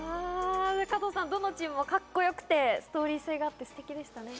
加藤さん、どのチームもカッコよくて、ストーリー性があって、すてきでしたね。